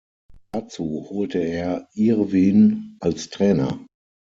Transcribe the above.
Dazu holte er Irvin als Trainer.